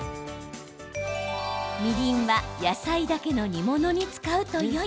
みりんは野菜だけの煮物に使うとよい。